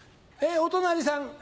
お隣さん